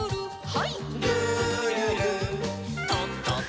はい。